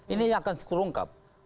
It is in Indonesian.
ini akan turunkap